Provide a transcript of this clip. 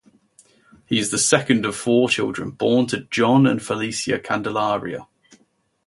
He is the second of four children born to John and Felicia Candelaria.